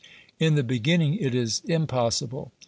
In the beginning it is impos sible.